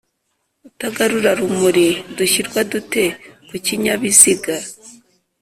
utugarura rumuri dushyirwa dute kukinyabiziga